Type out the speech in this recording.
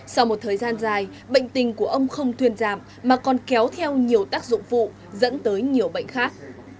sau một thời gian dài bệnh tình của ông không thuyền giảm mà còn kéo theo nhiều tác dụng phụ dẫn tới nhiều bệnh khác